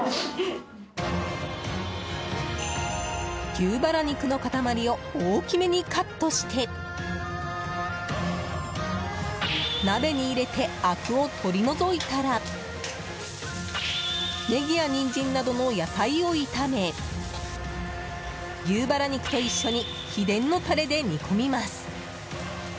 牛バラ肉の塊を大きめにカットして鍋に入れてアクを取り除いたらネギやニンジンなどの野菜を炒め牛バラ肉と一緒に秘伝のタレで煮込みます。